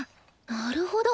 なるほど！